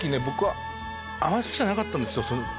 僕はあまり好きじゃなかったんですよ